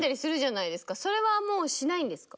それはもうしないんですか？